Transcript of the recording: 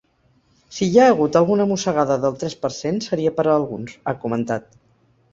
“Si hi ha hagut alguna mossegada del tres per cent seria per a alguns”, ha comentat.